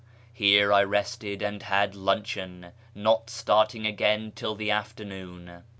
Here I rested and liad luncheon, not starting again till the afternoon.